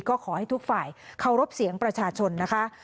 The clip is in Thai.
ก็ขอให้ทุกฝ่ายเคารพเสียงประชาชนนะคะ